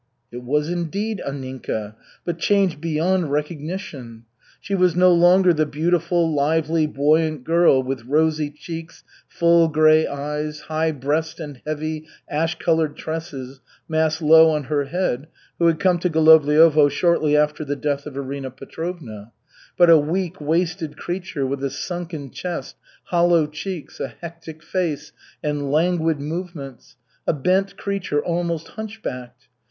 It was indeed Anninka, but changed beyond recognition. She was no longer the beautiful, lively, buoyant girl with rosy cheeks, full gray eyes, high breast and heavy, ash colored tresses massed low on her head, who had come to Golovliovo shortly after the death of Arina Petrovna, but a weak, wasted creature with a sunken chest, hollow cheeks, a hectic face and languid movements a bent creature, almost hunch backed.